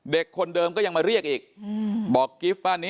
เด็กคนนี้ก็มาเรียกอีก